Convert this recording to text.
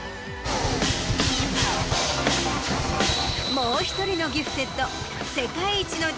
もう１人のギフテッド。